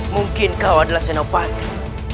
mungkin kau adalah senopati